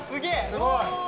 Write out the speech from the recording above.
すごい！